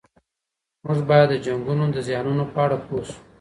موږ باید د جنګونو د زیانونو په اړه پوه سو.